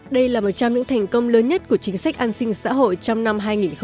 đây là một trong những thành công lớn nhất của chính sách an sinh xã hội trong năm hai nghìn hai mươi